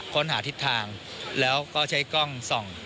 ค้นหาทิศทางแล้วก็ใช้กล้องส่อง